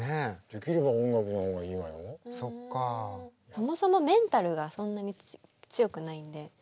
そもそもメンタルがそんなに強くないんで。